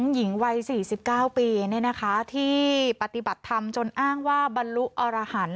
หญิงวัย๔๙ปีที่ปฏิบัติธรรมจนอ้างว่าบรรลุอรหันธ